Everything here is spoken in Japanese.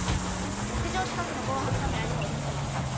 屋上近くの防犯カメラにも映ってました。